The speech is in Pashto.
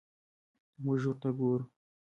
موږ ورته ګورو.